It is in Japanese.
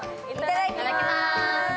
いただきます！